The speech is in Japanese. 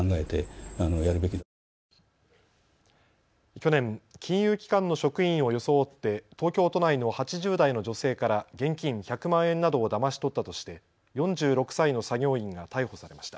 去年、金融機関の職員を装って東京都内の８０代の女性から現金１００万円などをだまし取ったとして４６歳の作業員が逮捕されました。